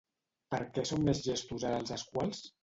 Per què són més llestos ara els esquals?